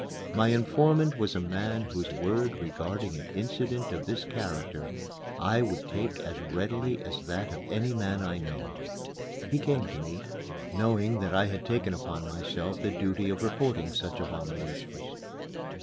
My informant was a man whose word regarding an incident of this character I would take as readily as that of any man I know. He came to me, knowing that I had taken upon myself the duty of reporting such abominations.